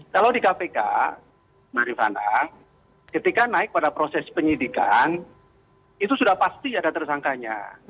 kalau di kpk marifana ketika naik pada proses penyidikan itu sudah pasti ada tersangkanya